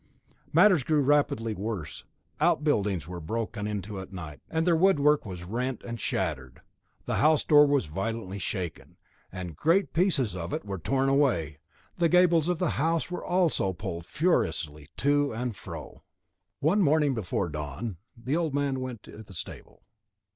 Matters grew rapidly worse. Outbuildings were broken into of a night, and their woodwork was rent and shattered; the house door was violently shaken, and great pieces of it were torn away; the gables of the house were also pulled furiously to and fro. One morning before dawn, the old man went to the stable.